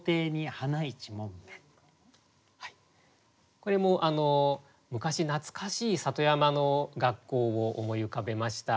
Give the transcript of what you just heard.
これも昔懐かしい里山の学校を思い浮かべました。